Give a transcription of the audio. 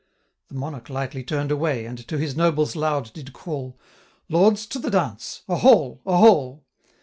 The Monarch lightly turn'd away, And to his nobles loud did call, 500 'Lords, to the dance, a hall! a hall!'